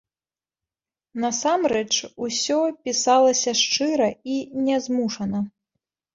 Насамрэч усё пісалася шчыра і нязмушана.